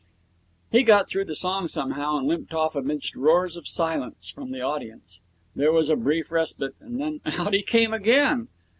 He got through the song somehow and limped off amidst roars of silence from the audience. There was a brief respite, then out he came again.